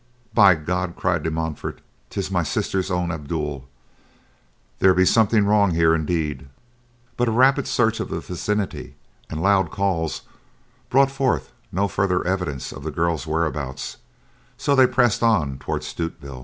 "By God," cried De Montfort, "tis my sister's own Abdul. There be something wrong here indeed." But a rapid search of the vicinity, and loud calls brought no further evidence of the girl's whereabouts, so they pressed on toward Stutevill.